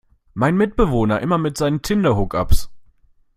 Mein Mitbewohner immer mit seinen Tinder-Hookups!